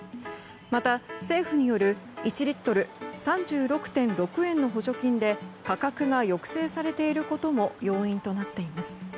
また、政府による１リットル３６．６円の補助金で価格が抑制されていることも要因となっています。